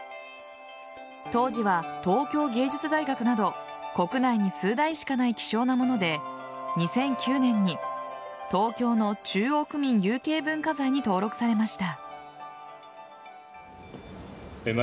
当時は東京藝術大学など国内に数台しかない希少なもので２００９年に東京の中央区民有形文化財に登録されました。